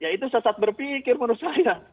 ya itu sesat berpikir menurut saya